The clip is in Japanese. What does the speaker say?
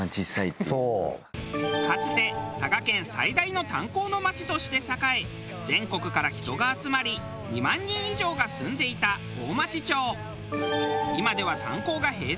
かつて佐賀県最大の炭鉱の町として栄え全国から人が集まり２万人以上が住んでいた大町町。